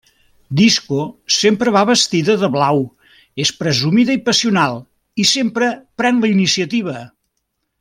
Disco sempre va vestida de blau, és presumida i passional i sempre pren la iniciativa.